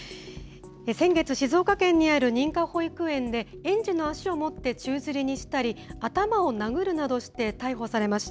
先月、静岡県にある認可保育園で、園児の足を持って宙づりにしたり、頭を殴るなどして逮捕されました、